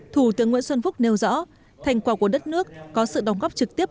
thủ tướng nguyễn xuân phúc nêu rõ thành quả của đất nước có sự đóng góp trực tiếp